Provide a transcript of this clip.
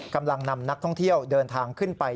กำลังนำนักท่องเที่ยวเดินทางขึ้นไป